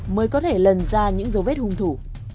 mới có thể lần ra những dấu vết hung thủ